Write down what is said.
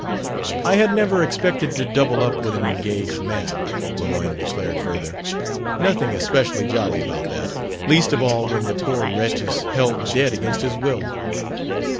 "I had never expected to double up with an engaged man," Lemoyne declared further. "Nothing especially jolly about that least of all when the poor wretch is held dead against his will."